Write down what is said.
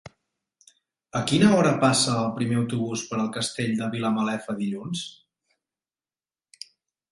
A quina hora passa el primer autobús per el Castell de Vilamalefa dilluns?